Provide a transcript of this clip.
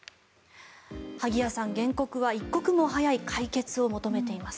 萩谷さん、原告は一刻も早い解決を求めています。